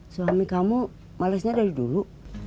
suami kamu malesnya dari dulu